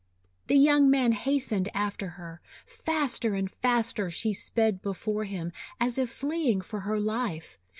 The young man hastened after her. Faster and faster she sped before him, as if fleeing for her life.